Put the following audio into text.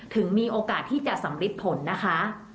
ถึงมีโอกาสที่จะสำริดผลนะคะ